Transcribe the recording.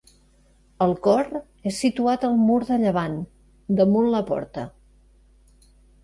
El cor és situat al mur de llevant, damunt la porta.